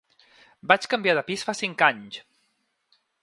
Vaig canviar de pis fa cinc anys!